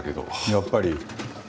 やっぱり？